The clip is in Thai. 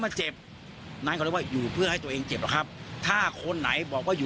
แล้วทีนี้เราได้ยินกันหมอปลาเลยบอกว่า